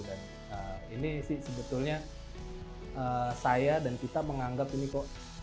dan ini sih sebetulnya saya dan kita menganggap ini kok